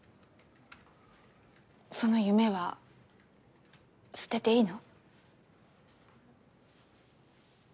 その夢は捨てていいの？